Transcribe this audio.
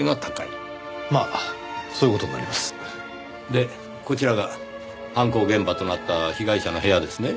でこちらが犯行現場となった被害者の部屋ですね？